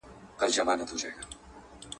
زیارت کوم نه را رسیږي.